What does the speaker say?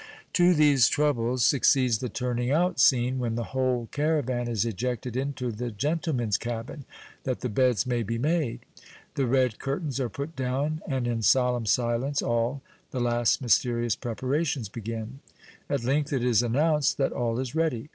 To these troubles succeeds the turning out scene, when the whole caravan is ejected into the gentlemen's cabin, that the beds may be made. The red curtains are put down, and in solemn silence all, the last mysterious preparations begin. At length it is announced that all is ready.